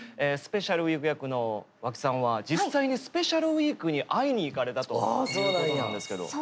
スペシャルウィーク役の和氣さんは実際にスペシャルウィークに会いに行かれたということなんですけど。